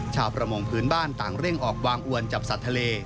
ชาวประมงพื้นบ้านต่างเร่งออกวางอวนจับสัตว์ทะเล